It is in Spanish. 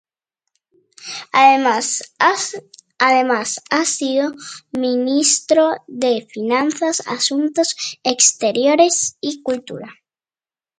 Además ha sido ministro de finanzas, asuntos exteriores y cultura.